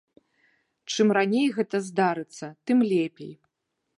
Чым раней гэта здарыцца, тым лепей.